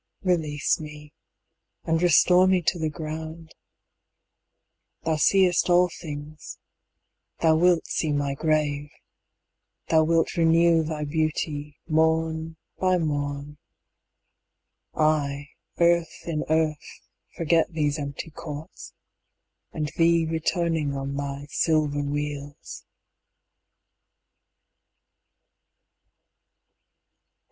Release me, and restore me to the ground; Thou seest all things, thou wilt see my grave: Thou wilt renew thy beauty morn by morn; I earth in earth forget these empty courts, And thee returning on thy silver wheels.